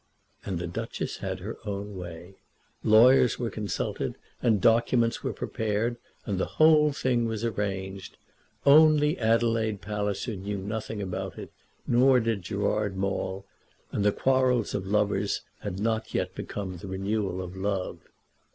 And the Duchess had her own way. Lawyers were consulted, and documents were prepared, and the whole thing was arranged. Only Adelaide Palliser knew nothing about it, nor did Gerard Maule; and the quarrels of lovers had not yet become the renewal of love.